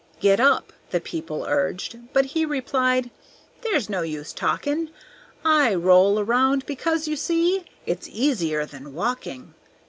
"Get up!" the people urged, but he Replied, "There's no use talking; I roll around because, you see, It's easier than walking."